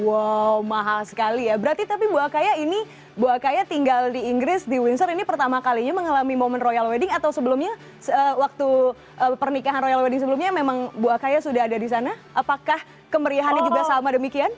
wow mahal sekali ya berarti tapi bu akaya ini bu akaya tinggal di inggris di windsor ini pertama kalinya mengalami momen royal wedding atau sebelumnya waktu pernikahan royal wedding sebelumnya memang bu akaya sudah ada di sana apakah kemeriahannya juga sama demikian